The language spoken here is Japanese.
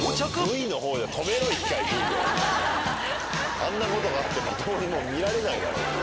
あんなことがあってまともに見られないだろ。